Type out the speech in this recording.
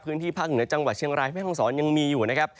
พื้นที่ภาคเหนือจังหวัดเชียงรายแม่ห้องศรยังมีอยู่นะครับ